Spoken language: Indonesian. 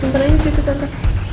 simpen aja disitu tante